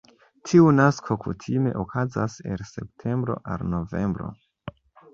Tiu nasko kutime okazas el septembro al novembro.